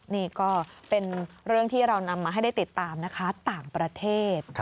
นี่ก็เป็นเรื่องที่เรานำมาให้ได้ติดตามนะคะต่างประเทศ